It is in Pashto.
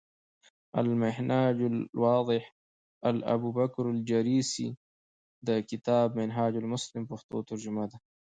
المنهاج الواضح، د الابوبکرالجريسي د کتاب “منهاج المسلم ” پښتو ترجمه ده ۔